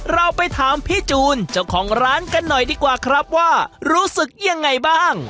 เราไปถามพี่จูนเจ้าของร้านกันหน่อยดีกว่าครับว่ารู้สึกยังไงบ้าง